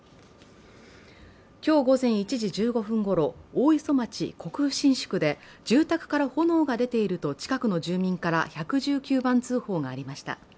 今日午前１時１５分ごろ、大磯町国府新宿で、住宅から炎が出ていると近くの住民から１１９番通報がありました。